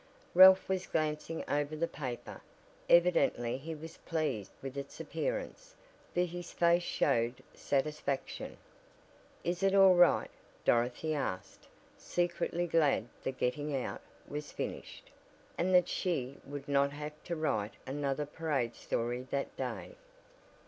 Ralph was glancing over the paper. Evidently he was pleased with its appearance, for his face showed satisfaction. "Is it all right?" Dorothy asked, secretly glad the "getting out" was finished, and that she would not have to write another parade story that day.